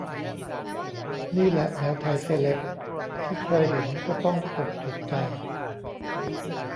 นี่แหละแมวไทยเซเลบ ที่ใครเห็นก็ต้องกดถูกใจ